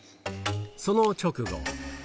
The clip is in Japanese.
その直後。